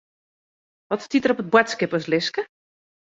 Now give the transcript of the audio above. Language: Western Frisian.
Wat stiet der op it boadskiplistke?